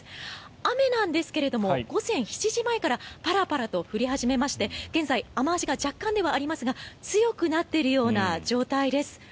雨なんですが、午前７時前からパラパラと降り始めまして現在、雨脚が若干ではありますが強くなっているような状態です。